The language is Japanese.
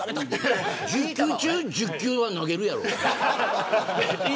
１０球中１０球は投げるやろ。